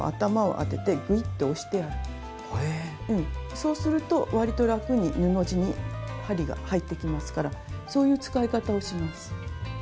そうすると割とラクに布地に針が入っていきますからそういう使い方をします。